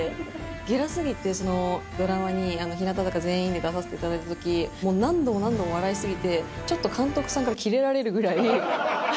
ゲラすぎて、ドラマに日向坂全員で出させていただいたとき、もう何度も何度も笑いすぎて、ちょっと監督さんから切れられるぐらい。